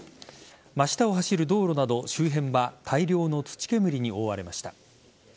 真下を走る道路など、周辺は大量の土煙に覆われました。